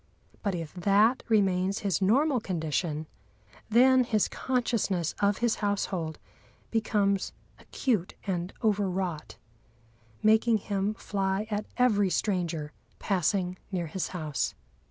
But if that remains his normal condition, then his consciousness of his household becomes acute and over wrought, making him fly at every stranger passing near his house.